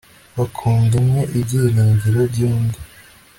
bakunda umwe ibyiringiro by'undi